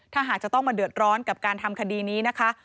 ถ้าหากจะต้องมาเดือดร้อนกับการทำคดีนี้นะคะ